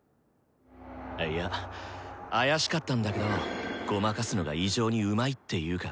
いや怪しかったんだけどごまかすのが異常にうまいっていうか。